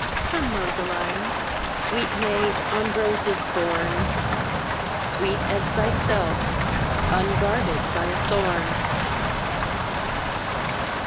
Come, Roseline, sweet maid, on roses borne, Sweet as thyself, unguarded by a thorn!